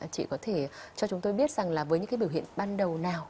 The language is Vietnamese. chị có thể cho chúng tôi biết rằng là với những cái biểu hiện ban đầu nào